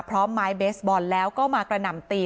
พร้อมไม้เบสบอลแล้วก็มากระหน่ำตี